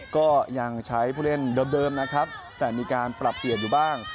ก็ยังใช้ผู้เล่นเดิมนะครับแต่มีการปรับเปลี่ยนอยู่บ้าง